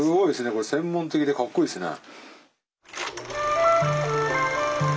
これ専門的でかっこいいですね。